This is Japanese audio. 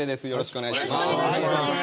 よろしくお願いします。